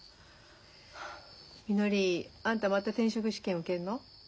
みのりあんたまた転職試験受けんの？